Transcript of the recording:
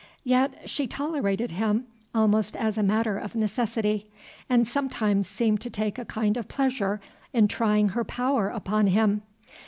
Yet she tolerated him, almost as a matter of necessity, and sometimes seemed to take a kind of pleasure in trying her power upon him.